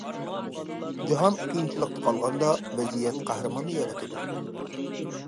جاھان قىيىنچىلىقتا قالغاندا، ۋەزىيەت قەھرىماننى يارىتىدۇ.